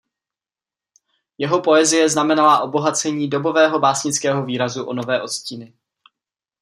Jeho poezie znamenala obohacení dobového básnického výrazu o nové odstíny.